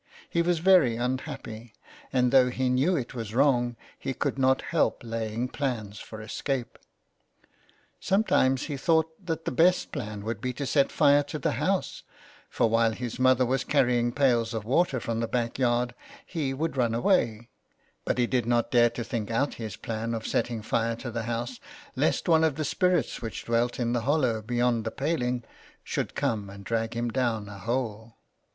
He was very un happy, and though he knew it was wrong he could not 283 so ON HE FARES. help laying plans for escape. Sometimes he thought that the best plan would be to set fire to the house ; for while his mother was carrying pails of water from the back yard he would run away ; but he did not dare to think out his plan of setting fire to the house, lest one of the spirits which dwelt in the hollow beyond the paling should come and drag him down a hole.